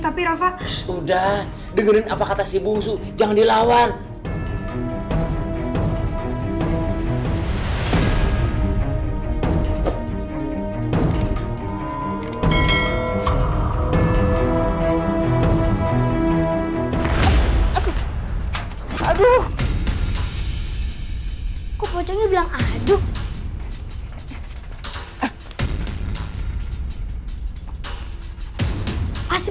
ntar kalau dia kegiling kita urusan lagi sama polisi